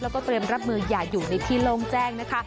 แล้วก็เตรียมรับมืออย่าอยู่ในที่โล่งแจ้งนะคะ